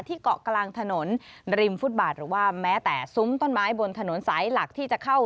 เกาะกลางถนนริมฟุตบาทหรือว่าแม้แต่ซุ้มต้นไม้บนถนนสายหลักที่จะเข้า